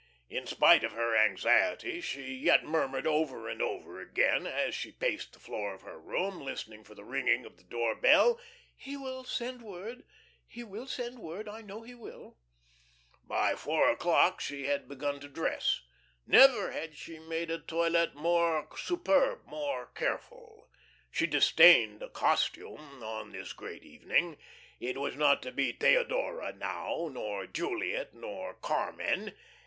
In spite of her anxiety, she yet murmured over and over again as she paced the floor of her room, listening for the ringing of the door bell: "He will send word, he will send word. I know he will." By four o'clock she had begun to dress. Never had she made a toilet more superb, more careful. She disdained a "costume" on this great evening. It was not to be "Theodora" now, nor "Juliet," nor "Carmen."